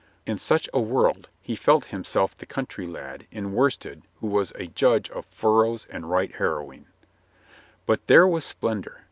In such a world he felt himself the country lad in worsted who was a judge of furrows and right harrowing. But there was splendor.